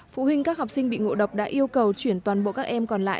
phụ huynh các học sinh bị ngộ độc đã yêu cầu chuyển toàn bộ các em còn lại